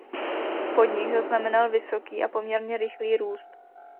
Podnik zaznamenal vysoký a poměrně rychlý růst.